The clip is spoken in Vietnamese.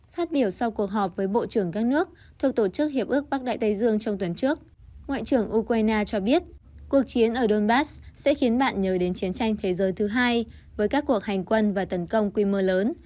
phát biểu sau cuộc họp với bộ trưởng các nước thuộc tổ chức hiệp ước bắc đại tây dương trong tuần trước ngoại trưởng ukraine cho biết cuộc chiến ở donbass sẽ khiến bạn nhớ đến chiến tranh thế giới thứ hai với các cuộc hành quân và tấn công quy mô lớn